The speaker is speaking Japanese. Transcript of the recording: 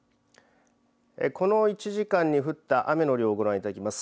この１時間に降った雨の量、ご覧いただきます。